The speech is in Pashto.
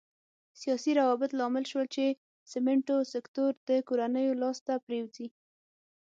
سیاسي روابط لامل شول چې سمنټو سکتور د کورنیو لاس ته پرېوځي.